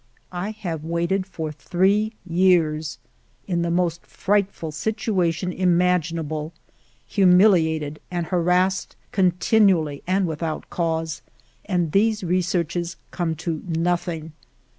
" I have waited for three years, in the most frightful situation imaginable, humiliated and harassed continually and without cause, and these researches come to nothing.